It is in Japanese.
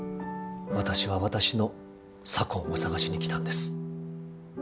私は私の左近を探しに来たんです。